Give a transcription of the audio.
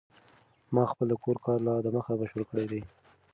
ما خپل د کور کار لا د مخه بشپړ کړی دی.